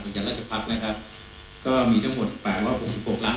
ประยรรราชภัทรนะครับก็มีทั้งหมดแปดว่าหกสิบหกล้าง